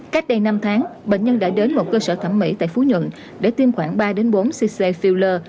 cách đây năm tháng bệnh nhân đã đến một cơ sở thẩm mỹ tại phú nhuận để tiêm khoảng ba bốn cc filler